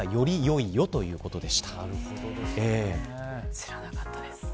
知らなかったです。